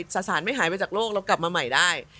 สารไม่หายไปจากโลกแล้วกลับมาใหม่ได้